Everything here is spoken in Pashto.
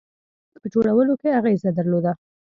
د سیاسي اړېکو په جوړولو کې اغېزه درلوده.